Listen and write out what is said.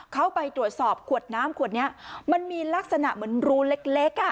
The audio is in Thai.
เขาไปตรวจสอบขวดน้ำขวดนี้มันมีลักษณะเหมือนรูเล็กอ่ะ